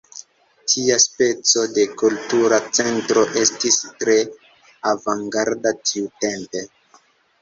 Tia speco de kultura centro estis tre avangarda tiutempe.